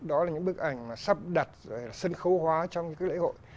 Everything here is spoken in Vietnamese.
đó là những bức ảnh sắp đặt sân khấu hóa trong những lễ hội